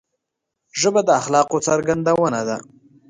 ژبه د اخلاقو څرګندونه ده